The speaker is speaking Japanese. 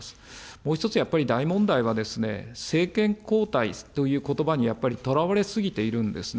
もう１つやっぱり大問題は、政権交代ということばに、やっぱりとらわれ過ぎているんですね。